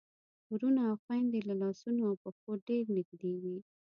وروڼه او خويندې له لاسونو او پښو ډېر نږدې وي.